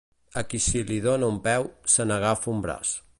A qui se li dóna un peu, se n'agafa un braç.